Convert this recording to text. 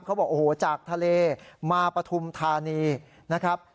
เขาบอกโอ้โหจากทะเลมาปฐุมธานีนะครับ